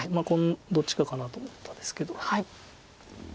どっちかかなと思ったんですけど。